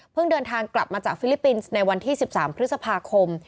เดินทางกลับมาจากฟิลิปปินส์ในวันที่๑๓พฤษภาคม